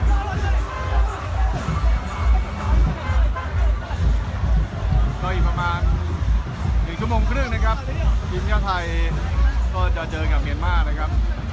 ก็อีกประมาณ๑ชั่วโมงครึ่งนะครับทีมชาติไทยก็จะเจอกับเมียนมาร์นะครับ